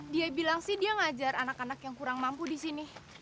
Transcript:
dia bilang sih dia ngajar anak anak yang kurang mampu di sini